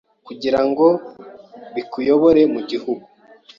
kugirango bikuyobore mugihugu